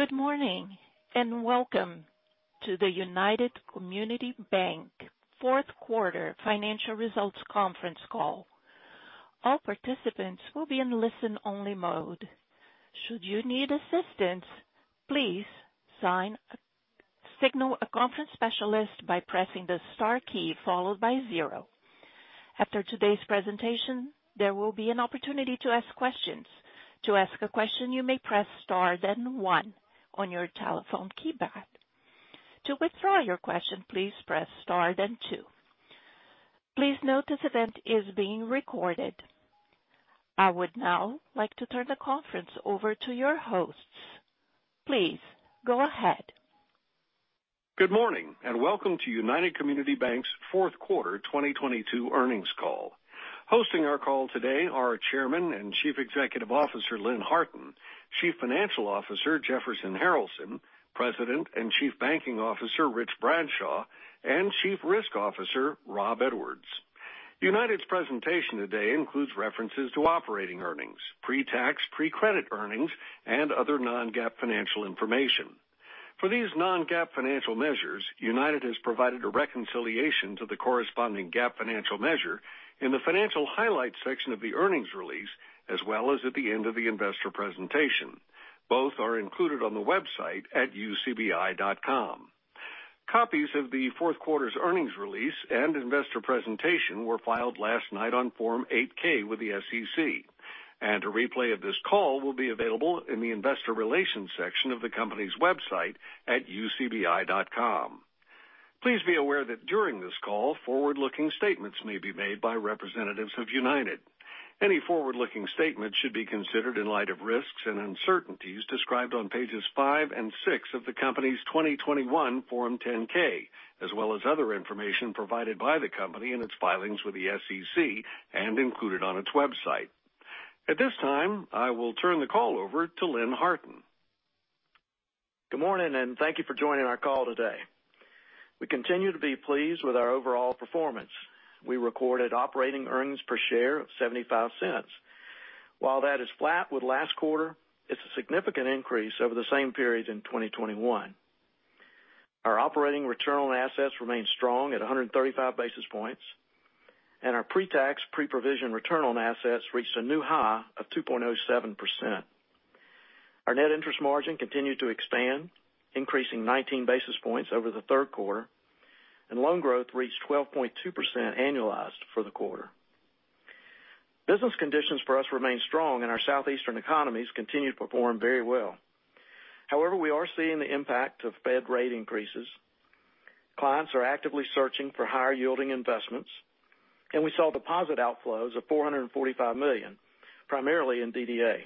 Good morning. Welcome to the United Community Bank Fourth Quarter Financial Results Conference Call. All participants will be in listen-only mode. Should you need assistance, please signal a conference specialist by pressing the star key followed by zero. After today's presentation, there will be an opportunity to ask questions. To ask a question, you may press star then one on your telephone keypad. To withdraw your question, please press star then two. Please note this event is being recorded. I would now like to turn the conference over to your hosts. Please go ahead. Good morning, welcome to United Community Bank's fourth quarter 2022 earnings call. Hosting our call today are our Chairman and Chief Executive Officer, Lynn Harton, Chief Financial Officer, Jefferson Harralson, President and Chief Banking Officer, Rich Bradshaw, and Chief Risk Officer, Rob Edwards. United's presentation today includes references to operating earnings, pre-tax, pre-credit earnings, and other non-GAAP financial information. For these non-GAAP financial measures, United has provided a reconciliation to the corresponding GAAP financial measure in the Financial Highlights section of the earnings release, as well as at the end of the investor presentation. Both are included on the website at ucbi.com. Copies of the fourth quarter's earnings release and investor presentation were filed last night on Form 8-K with the SEC. A replay of this call will be available in the Investor Relations section of the company's website at ucbi.com. Please be aware that during this call, forward-looking statements may be made by representatives of United. Any forward-looking statements should be considered in light of risks and uncertainties described on pages five and six of the company's 2021 Form 10-K, as well as other information provided by the company in its filings with the SEC and included on its website. At this time, I will turn the call over to Lynn Harton. Good morning, and thank you for joining our call today. We continue to be pleased with our overall performance. We recorded operating earnings per share of $0.75. While that is flat with last quarter, it's a significant increase over the same period in 2021. Our operating return on assets remains strong at 135 basis points, and our pre-tax, pre-provision return on assets reached a new high of 2.07%. Our net interest margin continued to expand, increasing 19 basis points over the third quarter, and loan growth reached 12.2% annualized for the quarter. Business conditions for us remain strong, and our Southeastern economies continue to perform very well. However, we are seeing the impact of Fed rate increases. Clients are actively searching for higher-yielding investments, and we saw deposit outflows of $445 million, primarily in DDA.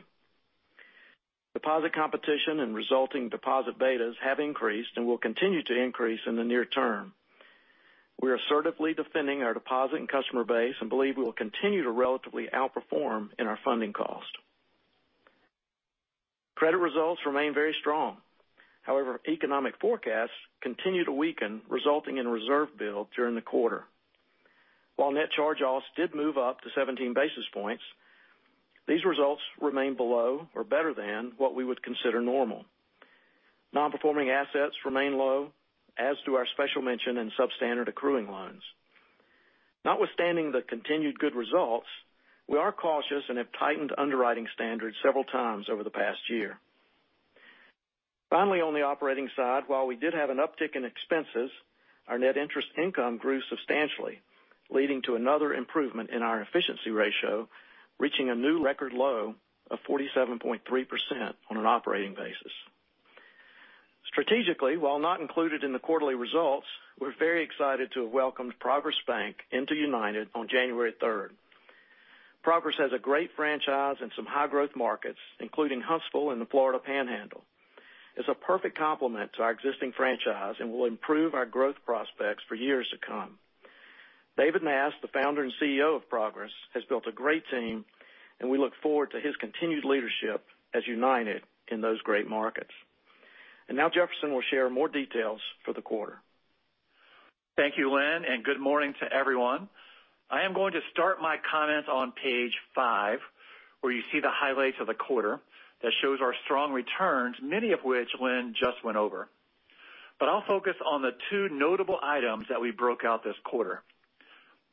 Deposit competition and resulting deposit betas have increased and will continue to increase in the near term. We are assertively defending our deposit and customer base and believe we will continue to relatively outperform in our funding cost. Credit results remain very strong. Economic forecasts continue to weaken, resulting in reserve build during the quarter. While net charge-offs did move up to 17 basis points, these results remain below or better than what we would consider normal. Non-performing assets remain low, as do our special mention in substandard accruing loans. Notwithstanding the continued good results, we are cautious and have tightened underwriting standards several times over the past year. On the operating side, while we did have an uptick in expenses, our net interest income grew substantially, leading to another improvement in our efficiency ratio, reaching a new record low of 47.3% on an operating basis. Strategically, while not included in the quarterly results, we're very excited to have welcomed Progress Bank into United on January third. Progress has a great franchise in some high-growth markets, including Huntsville and the Florida Panhandle. It's a perfect complement to our existing franchise and will improve our growth prospects for years to come. David Mast, the founder and CEO of Progress, has built a great team, and we look forward to his continued leadership as United in those great markets. Now Jefferson will share more details for the quarter. Thank you, Lynn. Good morning to everyone. I am going to start my comments on page five, where you see the highlights of the quarter that shows our strong returns, many of which Lynn just went over. I'll focus on the two notable items that we broke out this quarter.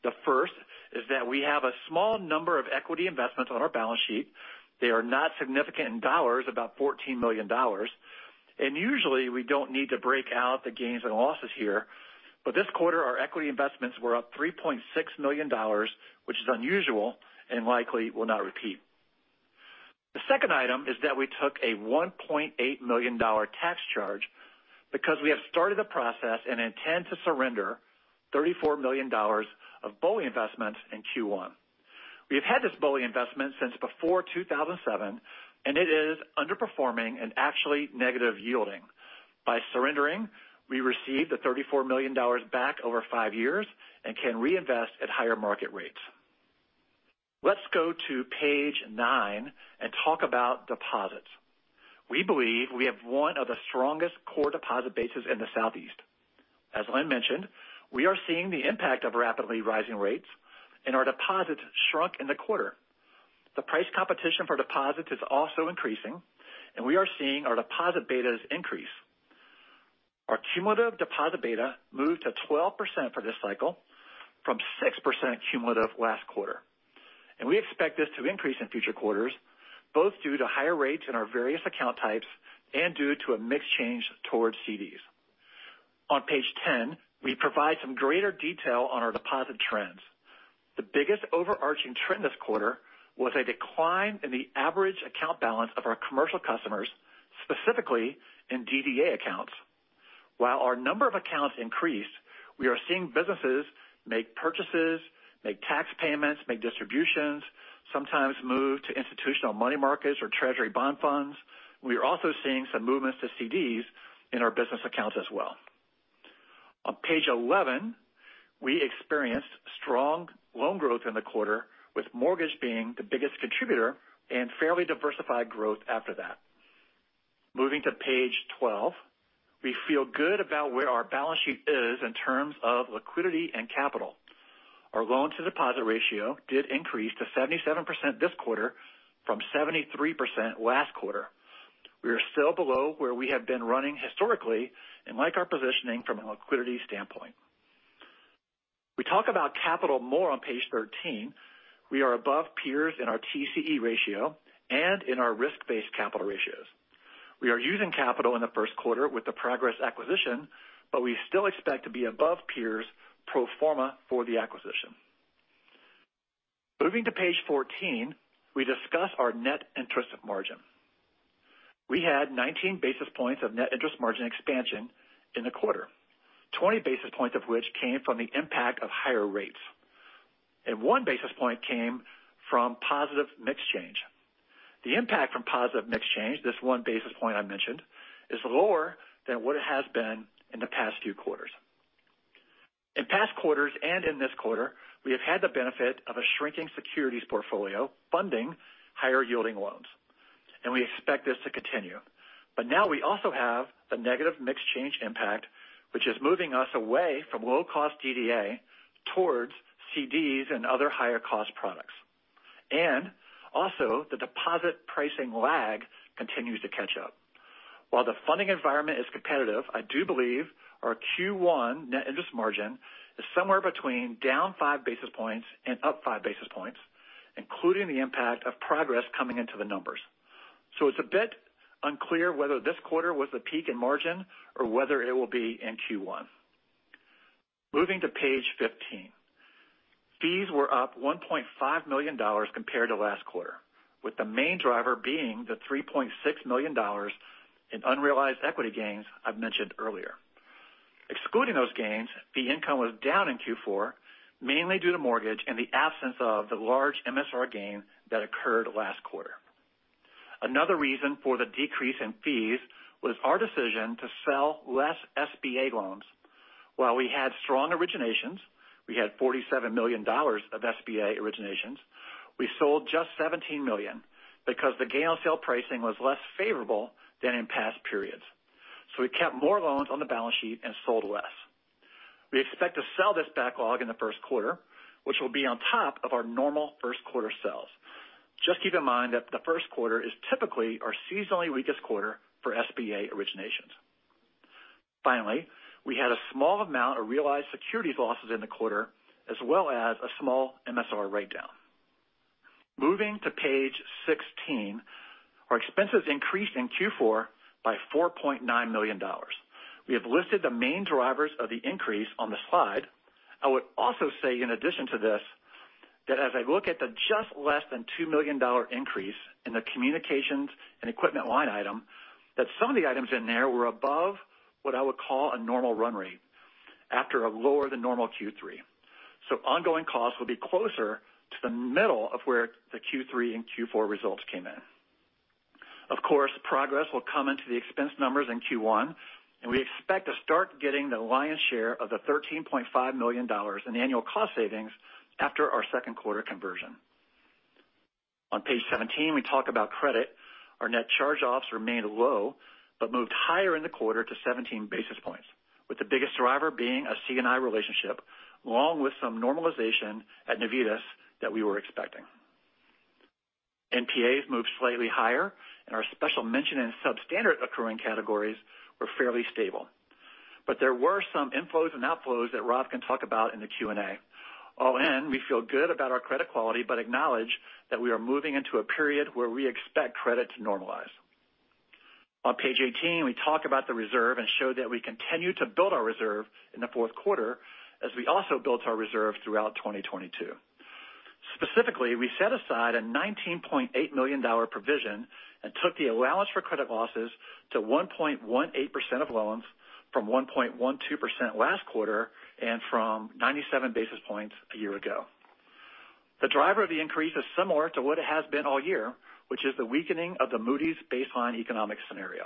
The first is that we have a small number of equity investments on our balance sheet. They are not significant in dollars, about $14 million. Usually, we don't need to break out the gains and losses here, but this quarter, our equity investments were up $3.6 million, which is unusual and likely will not repeat. The second item is that we took a $1.8 million tax charge because we have started a process and intend to surrender $34 million of BOLI investments in Q1. We have had this BOLI investment since before 2007. It is underperforming and actually negative yielding. By surrendering, we receive the $34 million back over five years and can reinvest at higher market rates. Let's go to page nine and talk about deposits. We believe we have one of the strongest core deposit bases in the Southeast. As Lynn mentioned, we are seeing the impact of rapidly rising rates and our deposits shrunk in the quarter. The price competition for deposits is also increasing, and we are seeing our deposit betas increase. Our cumulative deposit beta moved to 12% for this cycle from 6% cumulative last quarter. We expect this to increase in future quarters, both due to higher rates in our various account types and due to a mix change towards CDs. On page 10, we provide some greater detail on our deposit trends. The biggest overarching trend this quarter was a decline in the average account balance of our commercial customers, specifically in DDA accounts. While our number of accounts increased, we are seeing businesses make purchases, make tax payments, make distributions, sometimes move to institutional money markets or treasury bond funds. We are also seeing some movements to CDs in our business accounts as well. On page 11, we experienced strong loan growth in the quarter, with mortgage being the biggest contributor and fairly diversified growth after that. Moving to page 12, we feel good about where our balance sheet is in terms of liquidity and capital. Our loan to deposit ratio did increase to 77% this quarter from 73% last quarter. We are still below where we have been running historically and like our positioning from a liquidity standpoint. We talk about capital more on page 13. We are above peers in our TCE ratio and in our risk-based capital ratios. We are using capital in the first quarter with the Progress acquisition, but we still expect to be above peers pro forma for the acquisition. Moving to page 14, we discuss our net interest margin. We had 19 basis points of net interest margin expansion in the quarter, 20 basis points of which came from the impact of higher rates, and 1 basis point came from positive mix change. The impact from positive mix change, this 1 basis point I mentioned, is lower than what it has been in the past few quarters. In past quarters and in this quarter, we have had the benefit of a shrinking securities portfolio funding higher-yielding loans, and we expect this to continue. Now we also have the negative mix change impact, which is moving us away from low-cost DDA towards CDs and other higher-cost products. Also the deposit pricing lag continues to catch up. While the funding environment is competitive, I do believe our Q1 net interest margin is somewhere between down 5 basis points and up 5 basis points, including the impact of Progress coming into the numbers. It's a bit unclear whether this quarter was the peak in margin or whether it will be in Q1. Moving to page 15. Fees were up $1.5 million compared to last quarter, with the main driver being the $3.6 million in unrealized equity gains I've mentioned earlier. Excluding those gains, fee income was down in Q4, mainly due to mortgage and the absence of the large MSR gain that occurred last quarter. Another reason for the decrease in fees was our decision to sell less SBA loans. While we had strong originations, we had $47 million of SBA originations, we sold just $17 million because the gain on sale pricing was less favorable than in past periods. We kept more loans on the balance sheet and sold less. We expect to sell this backlog in the first quarter, which will be on top of our normal first quarter sales. Just keep in mind that the first quarter is typically our seasonally weakest quarter for SBA originations. Finally, we had a small amount of realized securities losses in the quarter as well as a small MSR write down. Moving to page 16. Our expenses increased in Q4 by $4.9 million. We have listed the main drivers of the increase on the slide. I would also say in addition to this, that as I look at the just less than $2 million increase in the communications and equipment line item, that some of the items in there were above what I would call a normal run rate after a lower than normal Q3. Ongoing costs will be closer to the middle of where the Q3 and Q4 results came in. Of course, Progress will come into the expense numbers in Q1, and we expect to start getting the lion's share of the $13.5 million in annual cost savings after our second quarter conversion. On page 17, we talk about credit. Our net charge-offs remained low but moved higher in the quarter to 17 basis points, with the biggest driver being a C&I relationship, along with some normalization at Navitas that we were expecting. NPAs moved slightly higher and our special mention in substandard accruing categories were fairly stable. There were some inflows and outflows that Rob can talk about in the Q&A. All in, we feel good about our credit quality but acknowledge that we are moving into a period where we expect credit to normalize. On page 18, we talk about the reserve and show that we continue to build our reserve in the fourth quarter as we also built our reserve throughout 2022. Specifically, we set aside a $19.8 million provision and took the allowance for credit losses to 1.18% of loans from 1.12% last quarter and from 97 basis points a year ago. The driver of the increase is similar to what it has been all year, which is the weakening of the Moody's baseline economic scenario.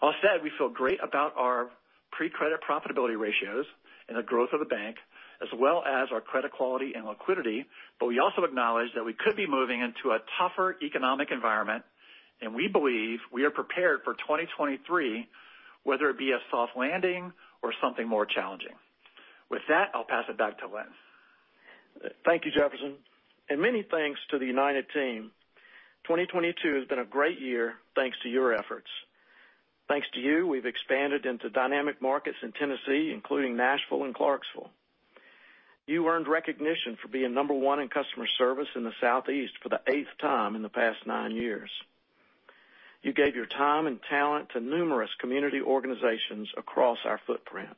All said, we feel great about our pre-credit profitability ratios. In the growth of the bank as well as our credit quality and liquidity. We also acknowledge that we could be moving into a tougher economic environment, and we believe we are prepared for 2023, whether it be a soft landing or something more challenging. With that, I'll pass it back to Lynn. Thank you, Jefferson. Many thanks to the United Team. 2022 has been a great year, thanks to your efforts. Thanks to you, we've expanded into dynamic markets in Tennessee, including Nashville and Clarksville. You earned recognition for being number one in customer service in the Southeast for the 8th time in the past nine years. You gave your time and talent to numerous community organizations across our footprint.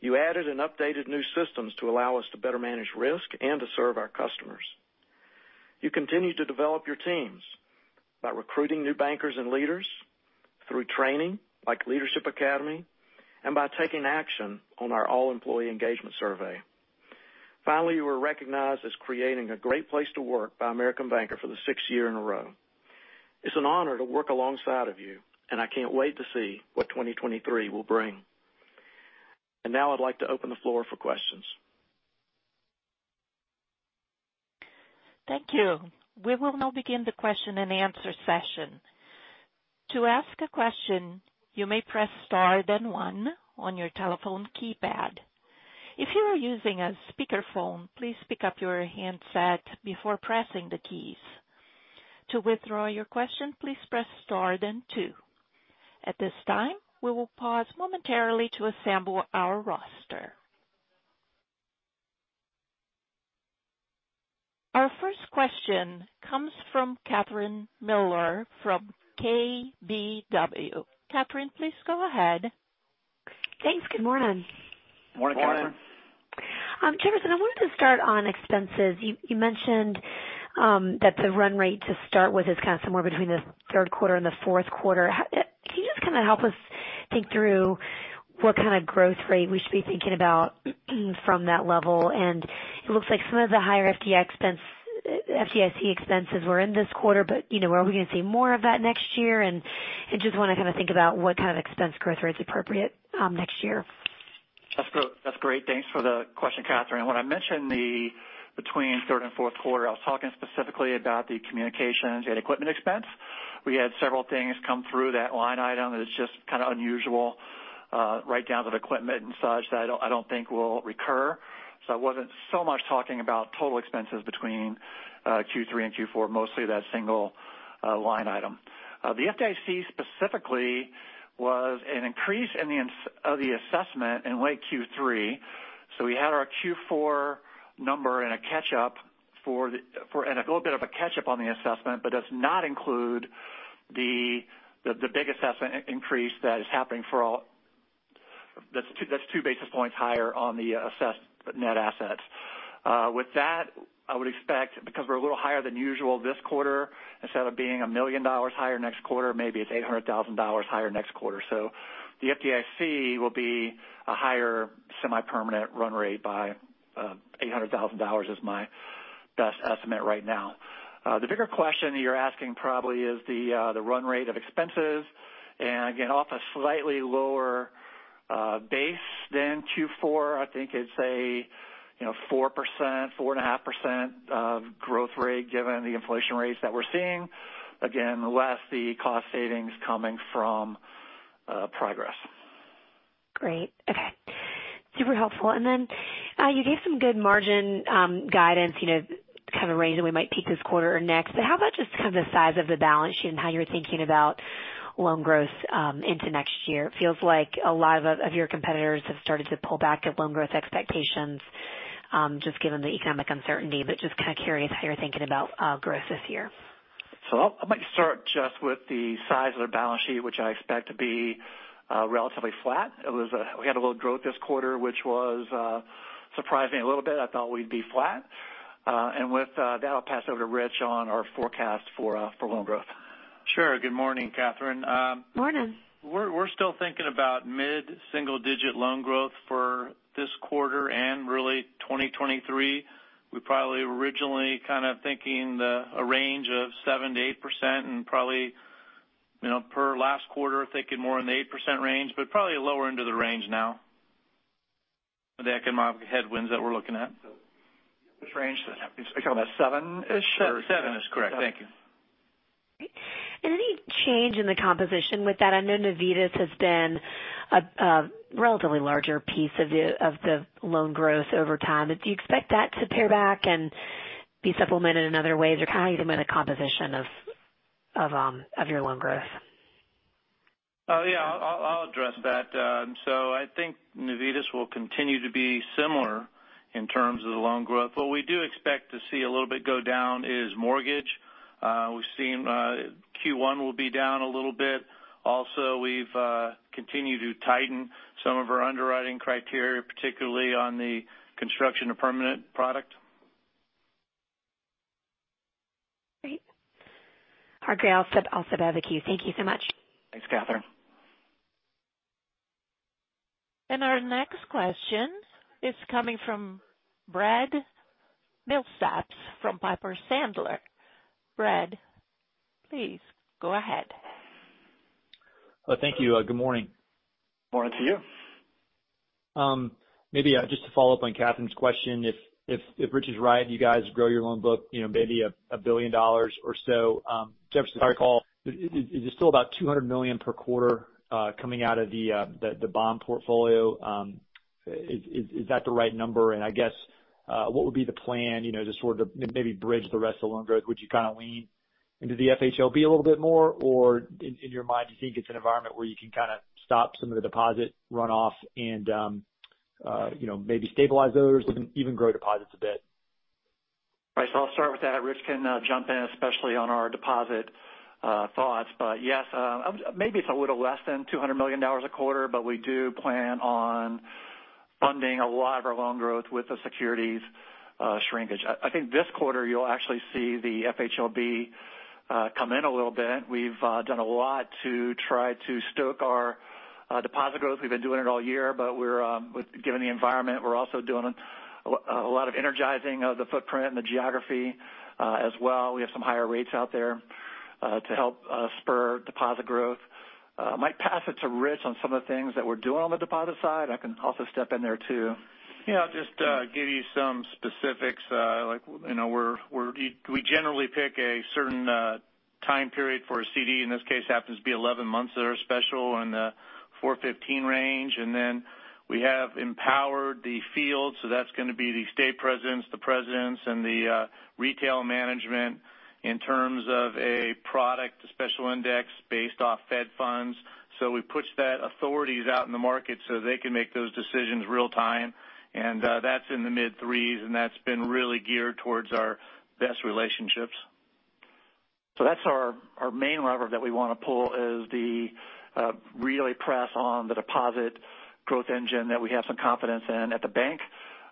You added and updated new systems to allow us to better manage risk and to serve our customers. You continued to develop your teams by recruiting new bankers and leaders through training, like Leadership Academy, and by taking action on our all employee engagement survey. Finally, you were recognized as creating a great place to work by American Banker for the 6th year in a row. It's an honor to work alongside of you, and I can't wait to see what 2023 will bring. Now I'd like to open the floor for questions. Thank you. We will now begin the question and answer session. To ask a question, you may press Star then one on your telephone keypad. If you are using a speakerphone, please pick up your handset before pressing the keys. To withdraw your question, please press Star then two. At this time, we will pause momentarily to assemble our roster. Our first question comes from Catherine Mealor from KBW. Katherine, please go ahead. Thanks. Good morning. Morning, Catherine. Morning. Jefferson, I wanted to start on expenses. You mentioned that the run rate to start with is kind of somewhere between the third quarter and the fourth quarter. Can you just kinda help us think through what kind of growth rate we should be thinking about from that level? It looks like some of the higher FDIC expenses were in this quarter, but, you know, are we going to see more of that next year? I just wanna kind of think about what kind of expense growth rate is appropriate, next year. That's great. Thanks for the question, Katherine. When I mentioned the between third and fourth quarter, I was talking specifically about the communications and equipment expense. We had several things come through that line item that is just kinda unusual, write-down of equipment and such that I don't think will recur. I wasn't so much talking about total expenses between Q3 and Q4, mostly that single line item. The FDIC specifically was an increase of the assessment in late Q3. We had our Q4 number and a little bit of a catch-up on the assessment. Does not include the big assessment increase that is happening for all... That's 2 basis points higher on the assessed net assets. With that, I would expect, because we're a little higher than usual this quarter, instead of being $1 million higher next quarter, maybe it's $800,000 higher next quarter. The FDIC will be a higher semi-permanent run rate by $800,000 is my best estimate right now. The bigger question you're asking probably is the run rate of expenses. Again, off a slightly lower base than Q4, I think it's a, you know, 4%, 4.5% of growth rate given the inflation rates that we're seeing. Again, less the cost savings coming from Progress. Great. Okay. Super helpful. You gave some good margin guidance, you know, kind of range that we might peak this quarter or next. How about just kind of the size of the balance sheet and how you're thinking about loan growth into next year? It feels like a lot of your competitors have started to pull back your loan growth expectations just given the economic uncertainty. Just kind of curious how you're thinking about growth this year. I'll, I might start just with the size of the balance sheet, which I expect to be relatively flat. We had a little growth this quarter, which was surprising a little bit. I thought we'd be flat. With that, I'll pass over to Rich on our forecast for loan growth. Sure. Good morning, Catherine. Morning. We're still thinking about mid-single digit loan growth for this quarter and really 2023. We probably originally kind of thinking a range of 7%-8% and probably, you know, per last quarter, thinking more in the 8% range, but probably lower into the range now with the economic headwinds that we're looking at. Which range? Is it kind of that seven-ish or? Seven is correct. Thank you. Great. Any change in the composition with that? I know Navitas has been a relatively larger piece of the, of the loan growth over time. Do you expect that to pare back and be supplemented in other ways? Or kind of even the composition of your loan growth? Yeah, I'll address that. I think Navitas will continue to be similar in terms of the loan growth. What we do expect to see a little bit go down is mortgage. We've seen Q1 will be down a little bit. Also, we've continued to tighten some of our underwriting criteria, particularly on the construction to permanent product. Great. Our guy also has the queue. Thank you so much. Thanks, Catherine. Our next question is coming from Brad Milsaps from Piper Sandler. Brad, please go ahead. Well, thank you. Good morning. Morning to you. maybe, just to follow up on Catherine's question, if Rich is right and you guys grow your loan book, you know, maybe $1 billion or so, Jefferson, sorry to call. Is it still about $200 million per quarter, coming out of the bond portfolio? Is that the right number? I guess, what would be the plan, you know, just sort of maybe bridge the rest of the loan growth? Would you kind of lean into the FHLB a little bit more? Or in your mind, do you think it's an environment where you can kind of stop some of the deposit runoff and, you know, maybe stabilize those or even grow deposits a bit? Right. I'll start with that. Rich can jump in, especially on our deposit thoughts. Yes, maybe it's a little less than $200 million a quarter, but we do plan on funding a lot of our loan growth with the securities shrinkage. I think this quarter you'll actually see the FHLB come in a little bit. We've done a lot to try to stoke our deposit growth. We've been doing it all year, but we're given the environment, we're also doing a lot of energizing of the footprint and the geography as well. We have some higher rates out there to help spur deposit growth. I might pass it to Rich on some of the things that we're doing on the deposit side. I can also step in there too. Yeah, I'll just give you some specifics. Like, you know, we generally pick a certain time period for a CD. In this case, happens to be 11 months that are special in the $4.15 range. Then we have empowered the field, so that's going to be the state presidents, the presidents, and the retail management in terms of a product, a special index based off Fed funds. We pushed that authorities out in the market so they can make those decisions real time. That's in the mid-3s, and that's been really geared towards our best relationships. That's our main lever that we want to pull is the really press on the deposit growth engine that we have some confidence in at the bank.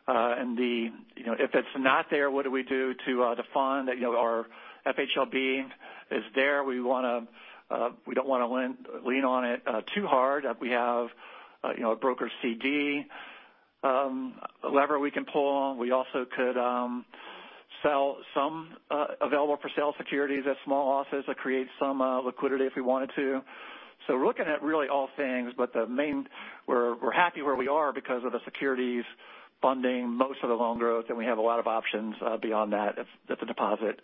The, you know, if it's not there, what do we do to fund? You know, our FHLB is there. We wanna, we don't wanna lean on it too hard. We have, you know, a broker CD lever we can pull. We also could sell some available-for-sale securities at small offices that create some liquidity if we wanted to. We're looking at really all things, but the main. We're, we're happy where we are because of the securities funding most of the loan growth, and we have a lot of options beyond that if the deposit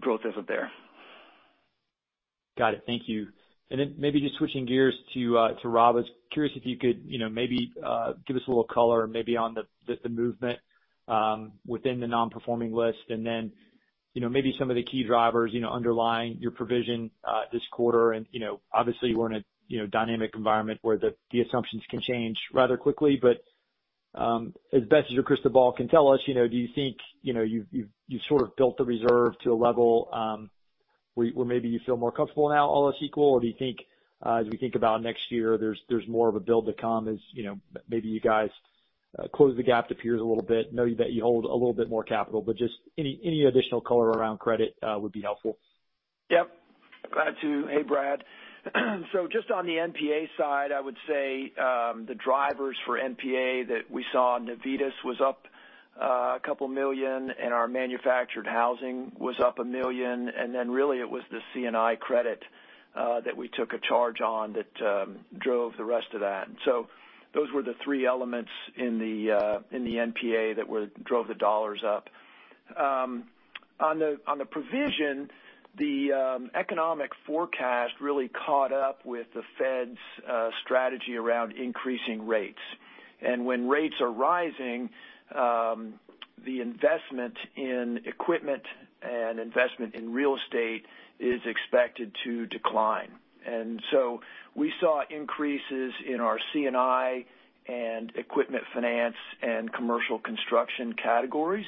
growth isn't there. Got it. Thank you. Maybe just switching gears to Rob, I was curious if you could, you know, maybe give us a little color maybe on the movement within the non-performing list. Maybe some of the key drivers, you know, underlying your provision this quarter. Obviously, we're in a, you know, dynamic environment where the assumptions can change rather quickly. As best as your crystal ball can tell us, you know, do you think, you've sort of built the reserve to a level where maybe you feel more comfortable now, all else equal? Do you think, as we think about next year, there's more of a build to come as, you know, maybe you guys close the gap to peers a little bit, know that you hold a little bit more capital. Just any additional color around credit would be helpful. Yep. Glad to. Hey, Brad. Just on the NPA side, I would say, the drivers for NPA that we saw, Navitas was up $2 million and our manufactured housing was up $1 million. Really it was the C&I credit that we took a charge on that drove the rest of that. Those were the three elements in the NPA that drove the dollars up. On the provision, the economic forecast really caught up with the Fed's strategy around increasing rates. When rates are rising, the investment in equipment and investment in real estate is expected to decline. We saw increases in our C&I and equipment finance and commercial construction categories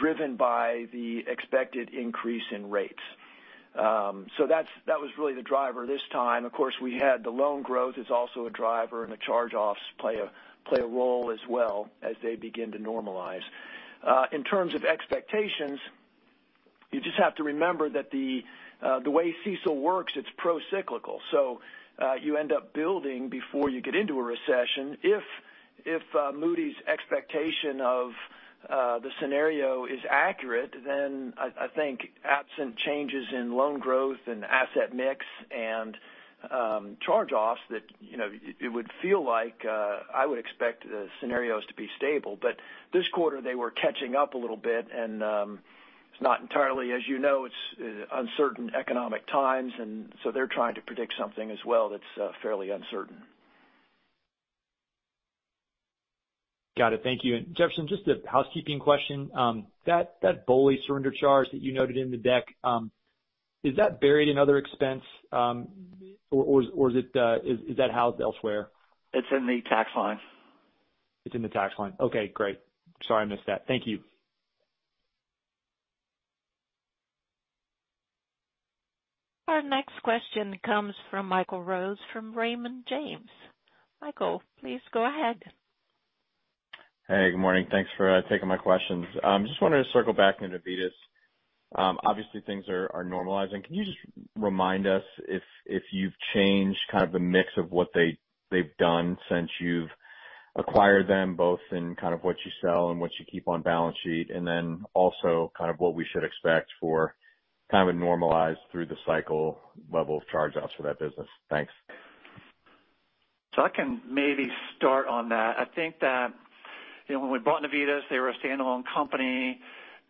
driven by the expected increase in rates. That was really the driver this time. Of course, we had the loan growth is also a driver and the charge-offs play a role as well as they begin to normalize. In terms of expectations, you just have to remember that the way CECL works, it's pro-cyclical. You end up building before you get into a recession. If Moody's expectation of the scenario is accurate, then I think absent changes in loan growth and asset mix and charge-offs that, you know, it would feel like I would expect the scenarios to be stable. This quarter they were catching up a little bit and it's not entirely as you know. It's uncertain economic times, they're trying to predict something as well that's fairly uncertain. Got it. Thank you. Jefferson, just a housekeeping question. That BOLI surrender charge that you noted in the deck, is that buried in other expense, or is it housed elsewhere? It's in the tax line. It's in the tax line. Okay, great. Sorry, I missed that. Thank you. Our next question comes from Michael Rose from Raymond James. Michael, please go ahead. Hey, good morning. Thanks for taking my questions. Just wanted to circle back into Navitas. Obviously things are normalizing. Can you just remind us if you've changed kind of the mix of what they've done since you've acquired them both in kind of what you sell and what you keep on balance sheet, and then also kind of what we should expect for kind of a normalized through the cycle level of charge-offs for that business. Thanks. I can maybe start on that. I think that, you know, when we bought Navitas, they were a standalone company.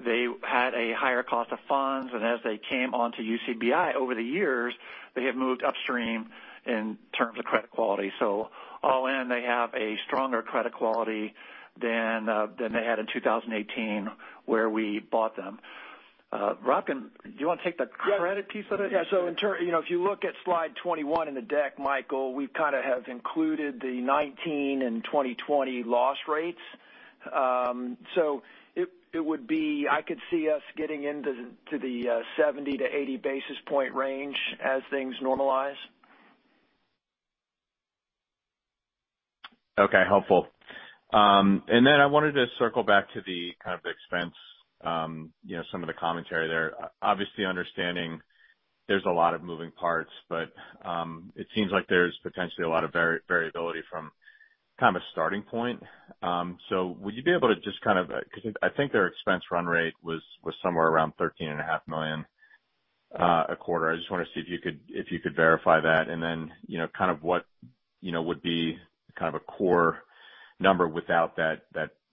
They had a higher cost of funds, and as they came onto UCBI over the years, they have moved upstream in terms of credit quality. All in, they have a stronger credit quality than they had in 2018, where we bought them. Rob, do you wanna take the credit piece of it? Yeah. In term, you know, if you look at slide 21 in the deck, Michael, we've kinda have included the 2019 and 2020 loss rates. I could see us getting into the 70 to 80 basis point range as things normalize. Okay, helpful. Then I wanted to circle back to the kind of the expense, you know, some of the commentary there. Obviously, understanding there's a lot of moving parts, but it seems like there's potentially a lot of variability from kind of a starting point. Would you be able to just kind of, 'cause I think their expense run rate was somewhere around $13.5 million a quarter. I just wanna see if you could verify that. Then, you know, kind of what, you know, would be kind of a core number without that,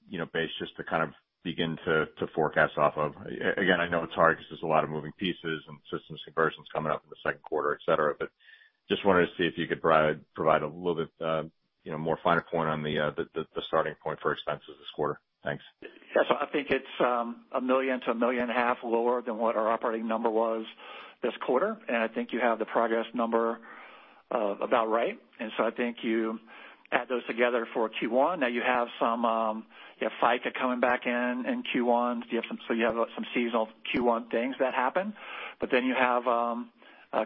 you know, base just to kind of begin to forecast off of. Again, I know it's hard because there's a lot of moving pieces and systems conversions coming up in the second quarter, et cetera. Just wanted to see if you could provide a little bit, you know, more finer point on the starting point for expenses this quarter. Thanks. Yeah. I think it's $1 million to $1.5 million lower than what our operating number was this quarter. I think you have the Progress number about right. I think you add those together for Q1. Now you have some, you have FICA coming back in in Q1. You have some seasonal Q1 things that happen. You have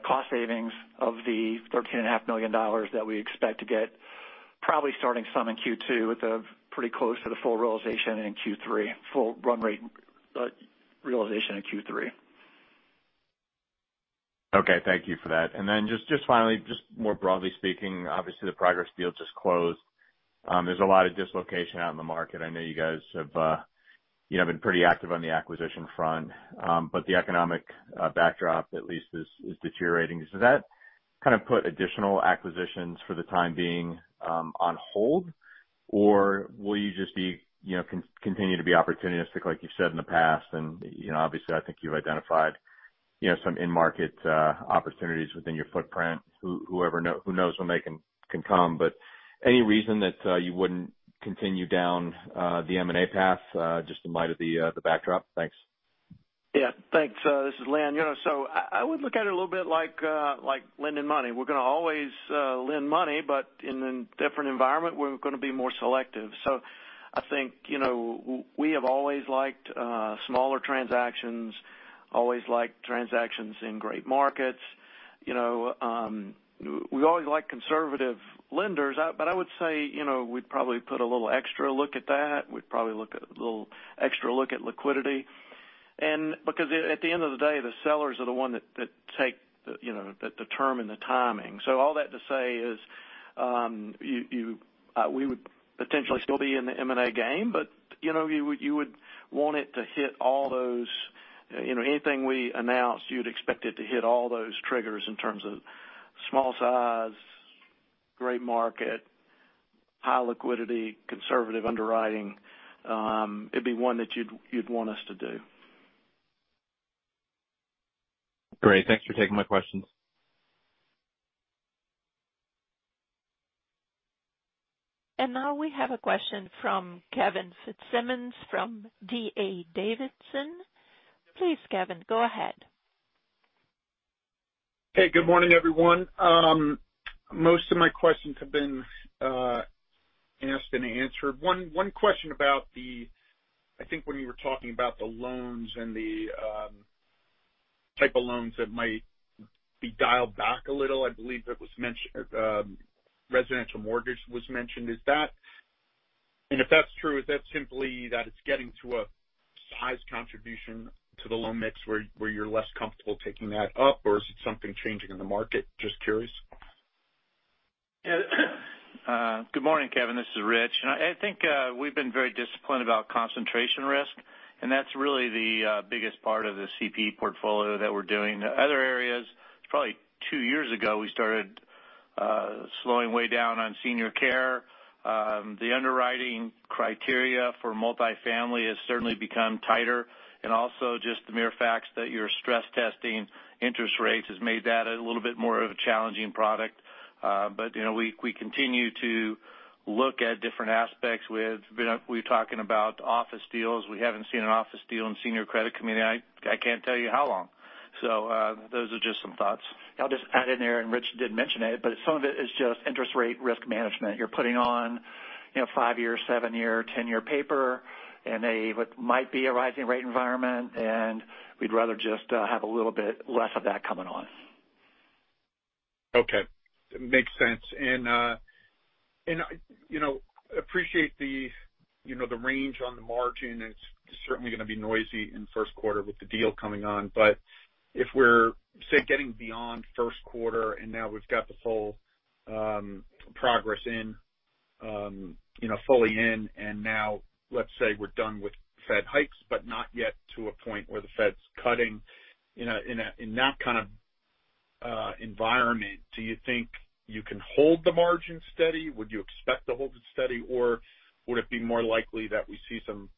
cost savings of the $13.5 million that we expect to get, probably starting some in Q2, with a pretty close to the full realization in Q3, full run rate realization in Q3. Okay, thank you for that. Then just finally, just more broadly speaking, obviously the Progress deal just closed. There's a lot of dislocation out in the market. I know you guys have, you have been pretty active on the acquisition front. The economic backdrop at least is deteriorating. Does that kind of put additional acquisitions for the time being, on hold? Or will you just be, you know, continue to be opportunistic like you've said in the past? You know, obviously, I think you identified, you know, some in-market opportunities within your footprint. Whoever knows when they can come. Any reason that you wouldn't continue down the M&A path just in light of the backdrop? Thanks. Yeah. Thanks. This is Lynn. You know, I would look at it a little bit like lending money. We're gonna always lend money, but in a different environment, we're gonna be more selective. I think, you know, we have always liked smaller transactions, always liked transactions in great markets. You know, we always like conservative lenders, but I would say, you know, we'd probably put a little extra look at that. We'd probably a little extra look at liquidity. Because at the end of the day, the sellers are the one that take, you know, that determine the timing. All that to say is, we would potentially still be in the M&A game, but you know, you would want it to hit all those... You know, anything we announce, you'd expect it to hit all those triggers in terms of small size, great market, high liquidity, conservative underwriting. It'd be one that you'd want us to do. Great. Thanks for taking my questions. Now we have a question from Kevin Fitzsimmons from D.A. Davidson. Please, Kevin, go ahead. Hey, good morning, everyone. Most of my questions have been asked and answered. One question about I think when you were talking about the loans and the type of loans that might be dialed back a little. I believe it was residential mortgage was mentioned. If that's true, is that simply that it's getting to a size contribution to the loan mix where you're less comfortable taking that up, or is it something changing in the market? Just curious. Good morning, Kevin. This is Rich. I think we've been very disciplined about concentration risk, and that's really the biggest part of the CPE portfolio that we're doing. Other areas, probably two years ago, we started slowing way down on senior care. The underwriting criteria for multifamily has certainly become tighter. Also just the mere fact that you're stress testing interest rates has made that a little bit more of a challenging product. You know, we continue to look at different aspects. We're talking about office deals. We haven't seen an office deal in senior credit committee, I can't tell you how long. Those are just some thoughts. I'll just add in there, and Rich did mention it, but some of it is just interest rate risk management. You're putting on, you know, five-year, seven-year, ten-year paper in a, what might be a rising rate environment, and we'd rather just have a little bit less of that coming on. Okay. Makes sense. You know, appreciate the You know, the range on the margin is certainly going to be noisy in the first quarter with the deal coming on. If we're, say, getting beyond first quarter, and now we've got the full Progress in, you know, fully in, and now let's say we're done with Fed hikes, but not yet to a point where the Fed's cutting. In that kind of environment, do you think you can hold the margin steady? Would you expect to hold it steady, or would it be more likely that we see some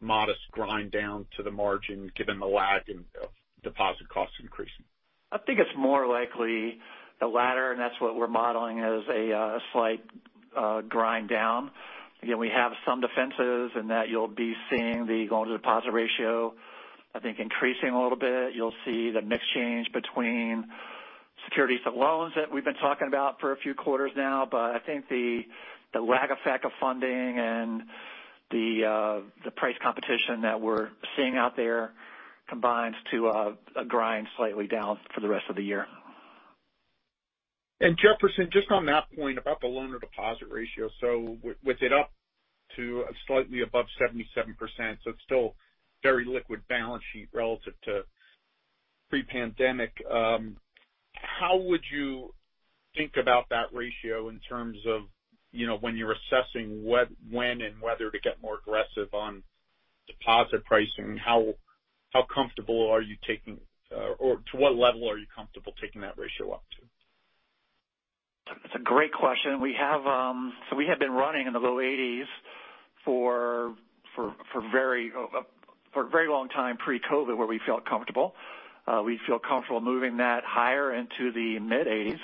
modest grind down to the margin given the lag in deposit costs increasing? I think it's more likely the latter. That's what we're modeling as a slight grind down. Again, we have some defenses in that you'll be seeing the loan-to-deposit ratio, I think, increasing a little bit. You'll see the mix change between securities to loans that we've been talking about for a few quarters now. I think the lag effect of funding and the price competition that we're seeing out there combines to a grind slightly down for the rest of the year. Jefferson, just on that point about the loan-to-deposit ratio. With it up to slightly above 77%, so it's still very liquid balance sheet relative to pre-pandemic. How would you think about that ratio in terms of, you know, when you're assessing what, when, and whether to get more aggressive on deposit pricing? How comfortable are you taking, or to what level are you comfortable taking that ratio up to? That's a great question. We have been running in the low 80s for a very long time pre-COVID, where we felt comfortable. We feel comfortable moving that higher into the mid-80s.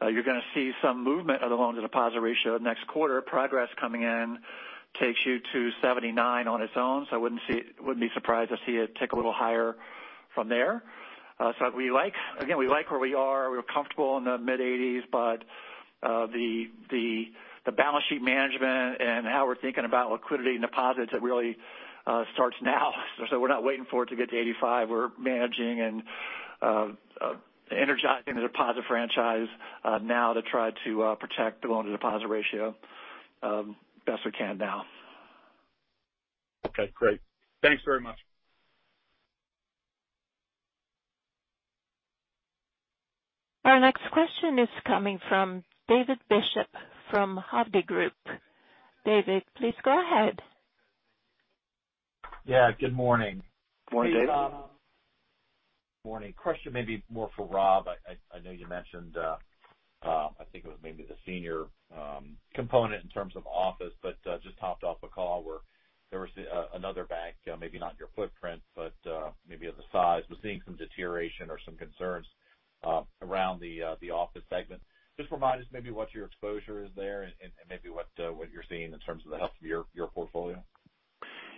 You're going to see some movement of the loan-to-deposit ratio next quarter. Progress coming in takes you to 79 on its own, I wouldn't be surprised to see it tick a little higher from there. Again, we like where we are. We're comfortable in the mid-80s, the balance sheet management and how we're thinking about liquidity and deposits, it really starts now. We're not waiting for it to get to 85. We're managing and energizing the deposit franchise now to try to protect the loan-to-deposit ratio best we can now. Okay, great. Thanks very much. Our next question is coming from David Bishop from Hovde Group. David, please go ahead. Yeah, good morning. Morning, David. Morning. Question may be more for Rob. I know you mentioned, I think it was maybe the senior component in terms of office, but just hopped off a call where there was another bank, maybe not in your footprint, but maybe of the size. Was seeing some deterioration or some concerns around the office segment. Just remind us maybe what your exposure is there and maybe what you're seeing in terms of the health of your portfolio?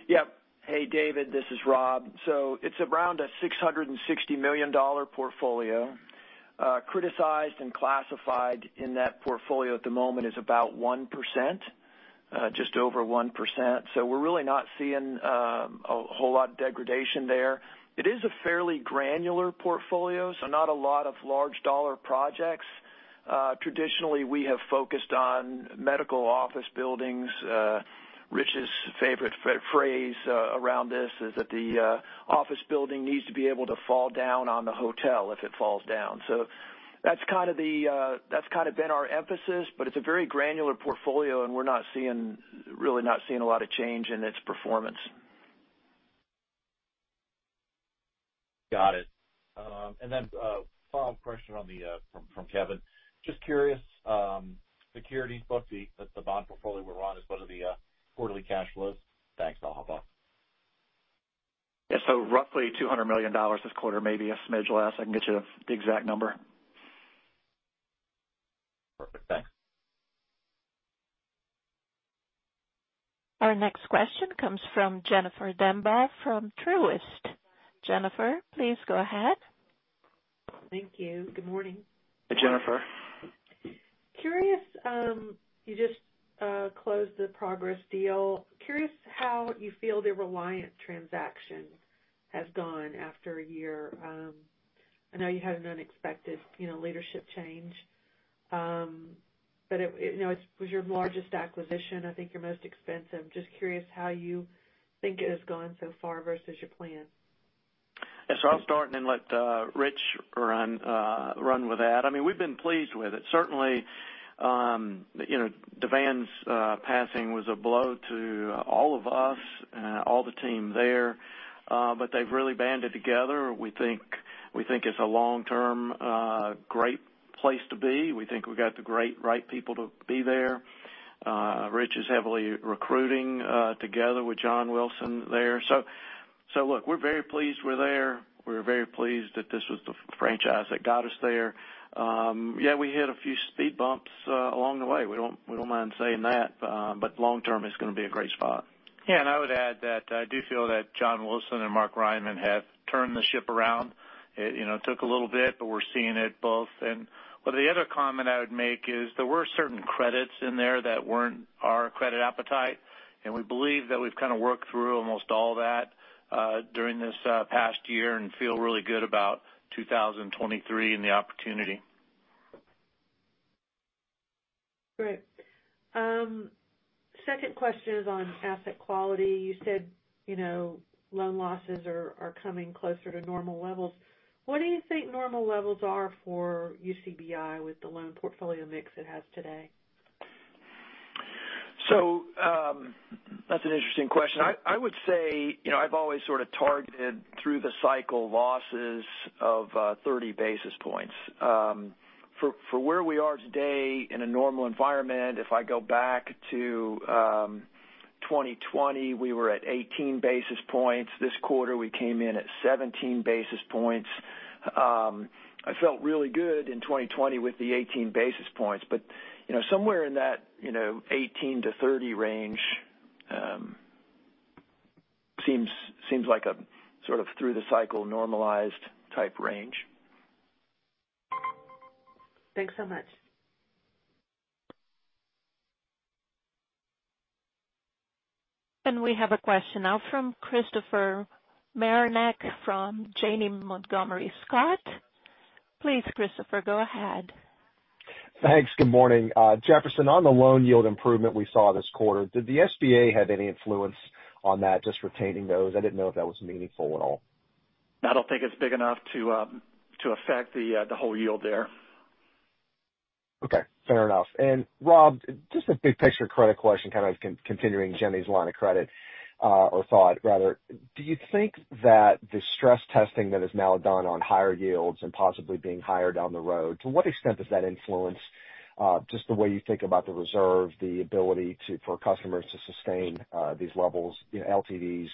Yeah. Hey, David, this is Rob. It's around a $660 million portfolio. Criticized and classified in that portfolio at the moment is about 1%, just over 1%. We're really not seeing a whole lot of degradation there. It is a fairly granular portfolio. Not a lot of large dollar projects. Traditionally, we have focused on medical office buildings. Rich's favorite phrase around this is that the office building needs to be able to fall down on the hotel if it falls down. That's kind of the, that's kind of been our emphasis. It's a very granular portfolio, and we're really not seeing a lot of change in its performance. Got it. Final question on the from Kevin. Just curious, securities bookie, that's the bond portfolio we're on, is what are the quarterly cash flows? Thanks. I'll hop off. Yeah, roughly $200 million this quarter, maybe a smidge less. I can get you the exact number. Perfect. Thanks. Our next question comes from Jennifer Demba from Truist. Jennifer, please go ahead. Thank you. Good morning. Jennifer. Curious, you just closed the Progress deal. Curious how you feel the Reliant transaction has gone after a year. I know you had an unexpected, you know, leadership change. It, you know, it was your largest acquisition. I think your most expensive. Just curious how you think it has gone so far versus your plan. Yeah. I'll start and then let Rich run with that. I mean, we've been pleased with it. Certainly, you know, DeVan's passing was a blow to all of us, all the team there. They've really banded together. We think it's a long-term great place to be. We think we've got the great right people to be there. Rich is heavily recruiting together with John Wilson there. Look, we're very pleased we're there. We're very pleased that this was the franchise that got us there. Yeah, we hit a few speed bumps along the way. We don't mind saying that, but long term, it's going to be a great spot. Yeah. I would add that I do feel that John Wilson and Mark Ryman have turned the ship around. It, you know, took a little bit, but we're seeing it both. Well, the other comment I would make is there were certain credits in there that weren't our credit appetite, and we believe that we've kind of worked through almost all that during this past year and feel really good about 2023 and the opportunity. Great. Second question is on asset quality. You said, you know, loan losses are coming closer to normal levels. What do you think normal levels are for UCBI with the loan portfolio mix it has today? That's an interesting question. I would say, you know, I've always sort of targeted through the cycle losses of 30 basis points. For where we are today in a normal environment, if I go back to 2020, we were at 18 basis points. This quarter, we came in at 17 basis points. I felt really good in 2020 with the 18 basis points, but, you know, somewhere in that, you know, 18-30 basis points range, seems like a sort of through the cycle normalized type range. Thanks so much. We have a question now from Christopher Marinac, from Janney Montgomery Scott. Please, Christopher, go ahead. Thanks. Good morning. Jefferson, on the loan yield improvement we saw this quarter, did the SBA have any influence on that, just retaining those? I didn't know if that was meaningful at all. I don't think it's big enough to affect the whole yield there. Okay, fair enough. Rob, just a big picture credit question, kind of continuing Jenny's line of credit, or thought, rather. Do you think that the stress testing that is now done on higher yields and possibly being higher down the road, to what extent does that influence just the way you think about the reserve, the ability for customers to sustain these levels, you know, LTDs,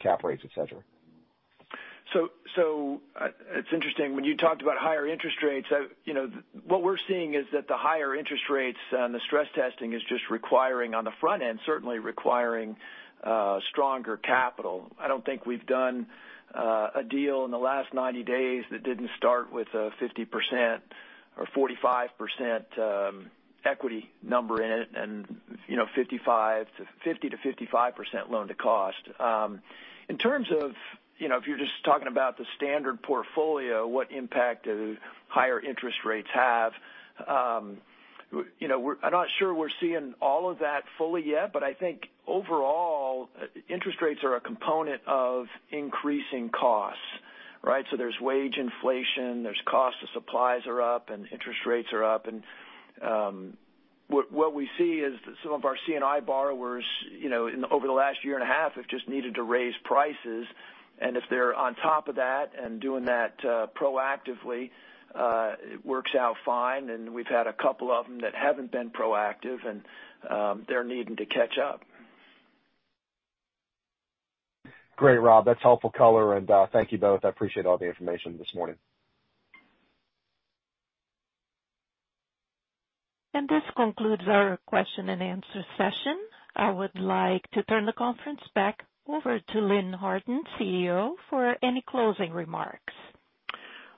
cap rates, et cetera? It's interesting when you talked about higher interest rates. You know, what we're seeing is that the higher interest rates and the stress testing is just requiring on the front end, certainly requiring stronger capital. I don't think we've done a deal in the last 90 days that didn't start with a 50% or 45% equity number in it and, you know, 50%-55% loan to cost. In terms of, you know, if you're just talking about the standard portfolio, what impact do higher interest rates have, you know, I'm not sure we're seeing all of that fully yet, but I think overall, interest rates are a component of increasing costs, right? There's wage inflation, there's cost of supplies are up, and interest rates are up. What we see is some of our C&I borrowers, you know, over the last year and a half, have just needed to raise prices. If they're on top of that and doing that, proactively, it works out fine. We've had a couple of them that haven't been proactive and, they're needing to catch up. Great, Rob. That's helpful color. Thank you both. I appreciate all the information this morning. This concludes our question and answer session. I would like to turn the conference back over to Lynn Harton, CEO, for any closing remarks.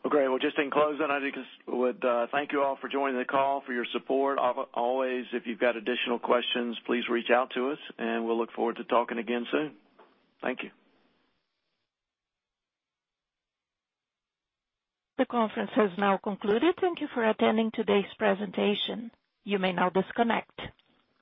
Great. Well, just in closing, I just would thank you all for joining the call, for your support. Always, if you've got additional questions, please reach out to us, and we'll look forward to talking again soon. Thank you. The conference has now concluded. Thank you for attending today's presentation. You may now disconnect.